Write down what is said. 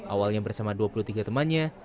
awalnya bersama dua puluh tiga temannya